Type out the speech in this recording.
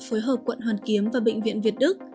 phối hợp quận hoàn kiếm và bệnh viện việt đức